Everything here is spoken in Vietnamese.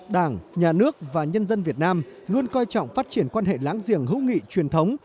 đảng nhà nước và nhân dân việt nam luôn coi trọng phát triển quan hệ láng giềng hữu nghị truyền thống